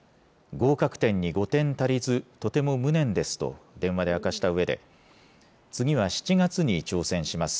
合格点に５点足りず、とても無念ですと電話で明かしたうえで、次は７月に挑戦します。